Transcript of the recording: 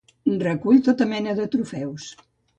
Recull tota mena de trofeus.